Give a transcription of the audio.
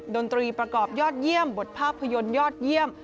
ดนตรีประกอบยอดเยี่ยมบทภาพยนตร์ยอดเยี่ยม